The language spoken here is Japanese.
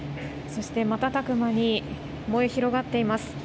そして、瞬く間に燃え広がっています。